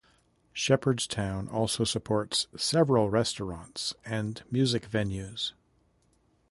Shepherdstown also supports several restaurants and music venues.